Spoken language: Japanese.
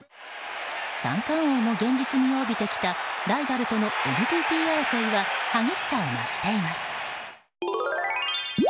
三冠王も現実気味を帯びてきたライバルとのＭＶＰ争いは激しさを増しています。